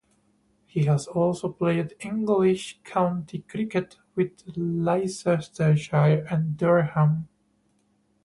He has also played English county cricket with Leicestershire and Durham.